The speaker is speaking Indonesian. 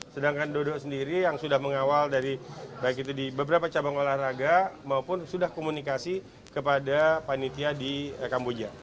sedangkan dodo sendiri yang sudah mengawal dari baik itu di beberapa cabang olahraga maupun sudah komunikasi kepada panitia di kamboja